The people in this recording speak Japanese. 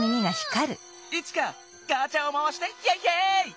イチカガチャをまわしてイェイイェイ！